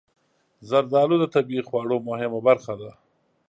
زردالو د طبعي خواړو مهمه برخه ده.